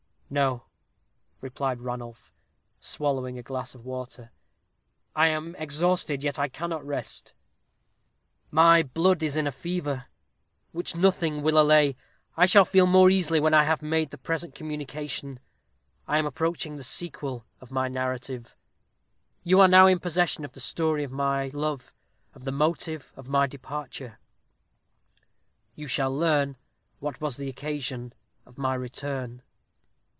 "No," replied Ranulph, swallowing a glass of water; "I am exhausted, yet I cannot rest my blood is in a fever, which nothing will allay. I shall feel more easy when I have made the present communication. I am approaching the sequel of my narrative. You are now in possession of the story of my love of the motive of my departure. You shall learn what was the occasion of my return.